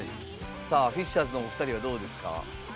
さあフィッシャーズのお二人はどうですか？